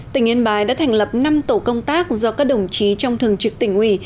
tỉnh yên bái đã thành lập năm tổ công tác do các đồng chí trong thường trực tỉnh ủy